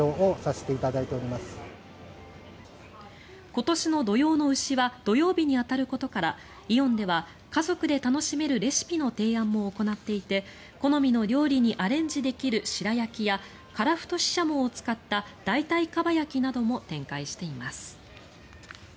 今年の土用の丑は土曜日に当たることからイオンでは家族で楽しめるレシピの提案も行っていて好みの料理にアレンジできる白焼きやカラフトシシャモを使った代替かば焼きなども展開しています。